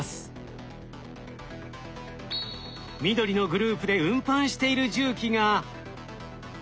緑のグループで運搬している重機が。